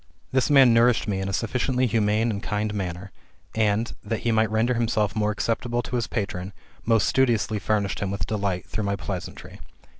This man nourished me in a sufficiently humane and kind manner ; and, that he might render himself more acceptable to his patron, most studiously furnished him with delight through my pleasantry.